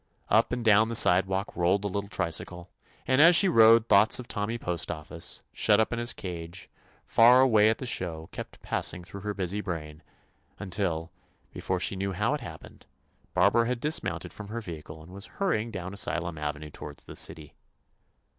Up and down the side walk rolled the little tricycle, and as she rode thoughts of Tommy Post office, shut up in his cage, far away at the show, kept passing through her busy brain, until, before she knew how it had happened, Barbara had dis mounted from her vehicle and was hurrying down Asylum Avenue to ward the city.